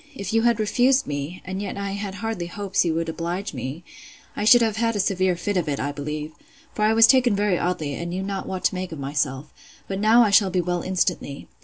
If you had refused me, and yet I had hardly hopes you would oblige me, I should have had a severe fit of it, I believe; for I was taken very oddly, and knew not what to make of myself: but now I shall be well instantly.